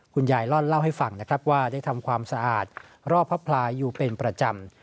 คุณยายล่อนเล่าให้ฟังนะครับว่าได้ทำความสะอาดรอบพระพลายอยู่เป็นประจำ